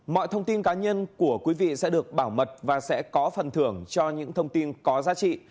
mọi thông tin cá nhân của quý vị sẽ được bảo mật và sẽ có phần thưởng cho những thông tin có giá trị